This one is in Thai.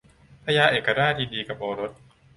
พญาเอกราชยินดีกับพระโอรส